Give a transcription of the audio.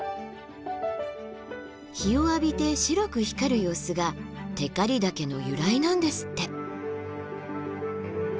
日を浴びて白く光る様子が「テカリ岳」の由来なんですって。